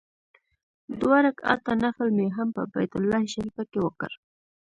دوه رکعاته نفل مې هم په بیت الله شریفه کې وکړ.